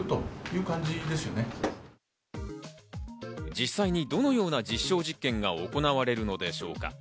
実際にどのような実証実験が行われるのでしょうか。